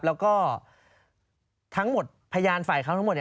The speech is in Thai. แล้วก็ทั้งหมดพยานฝ่ายเขาทั้งหมด